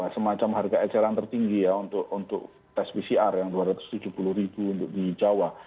semacam harga xl yang tertinggi untuk tes pcr yang rp dua ratus tujuh puluh di jawa